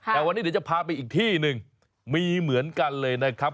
แต่วันนี้เดี๋ยวจะพาไปอีกที่หนึ่งมีเหมือนกันเลยนะครับ